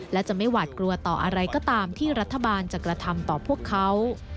และจะไม่หวาดกลัวต่ออะไรก็ตามที่รัฐบาลจะกระทำต่อพวกเขา